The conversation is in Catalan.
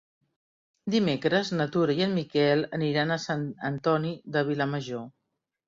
Dimecres na Tura i en Miquel aniran a Sant Antoni de Vilamajor.